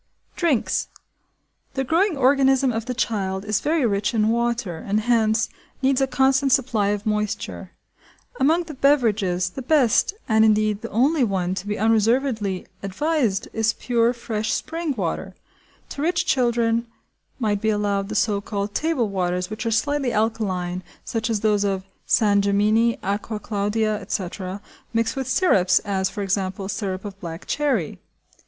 Drinks. The growing organism of the child is very rich in water, and, hence, needs a constant supply of moisture. Among the beverages, the best, and indeed the only one, to be unreservedly advised is pure fresh spring water. To rich children might be allowed the so called table waters which are slightly alkaline, such as those of San Gemini, Acqua Claudia, etc., mixed with syrups, as, for example, syrup of black cherry.